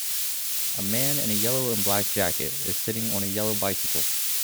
A man in a yellow and black jacket is sitting on a yellow bicycle